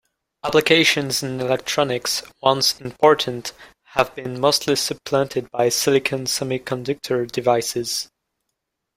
Applications in electronics, once important, have been mostly supplanted by silicon semiconductor devices.